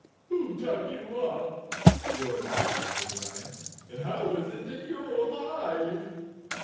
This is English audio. "Who dug you up," roared the Cowardly Lion, "and how is it you are alive?"